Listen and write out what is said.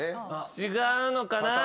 違うのかな。